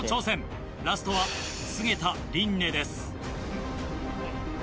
ラストは菅田琳寧です。